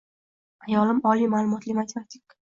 Ayolim oliy ma’lumotli matematik.